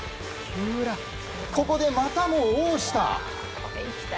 ここでまたも大下。